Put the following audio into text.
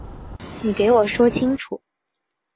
你给我说清楚